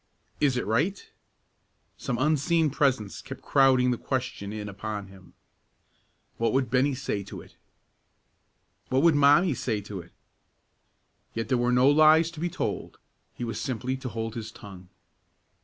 Is it right? Some unseen presence kept crowding the question in upon him. What would Bennie say to it? What would Mommie say to it? Yet there were no lies to be told; he was simply to hold his tongue.